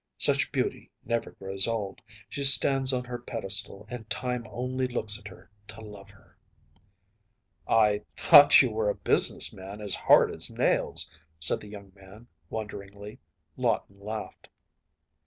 Such beauty never grows old. She stands on her pedestal, and time only looks at her to love her.‚ÄĚ “I thought you were a business man as hard as nails,‚ÄĚ said the young man, wonderingly. Lawton laughed.